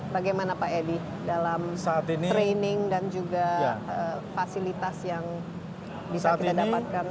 bagaimana pak edi dalam training dan juga fasilitas yang bisa kita dapatkan